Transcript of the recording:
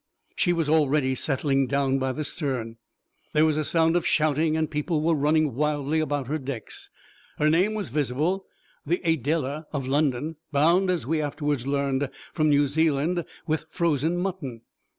She was already settling down by the stern. There was a sound of shouting and people were running wildly about her decks. Her name was visible, the Adela, of London, bound, as we afterwards learned, from New Zealand with frozen mutton.